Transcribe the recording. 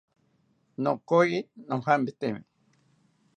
Nokoyi nojampitemi